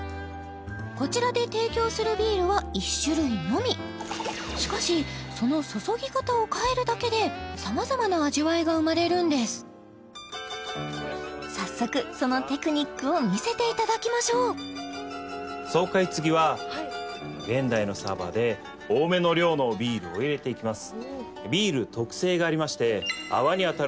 こちらで提供するビールは１種類のみしかしその注ぎ方を変えるだけで様々な味わいが生まれるんです早速そのテクニックを見せていただきましょうのビールを入れていきます